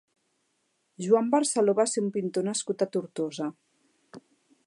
Joan Barceló va ser un pintor nascut a Tortosa.